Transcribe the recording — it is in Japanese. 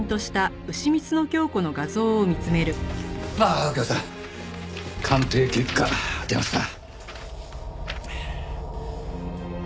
ああ右京さん鑑定結果出ました。